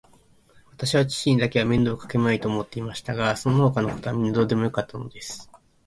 わたしは父にだけは面倒をかけまいと思っていましたが、そのほかのことはみんなどうでもよかったのです。